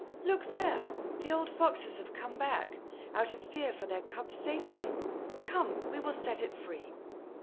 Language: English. "Look there! the old foxes have come back, out of fear for their cub's safety. Come, we will set it free!"